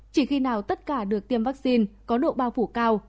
chỉ khi nào tất cả được tiêm vaccine có độ bao phủ cao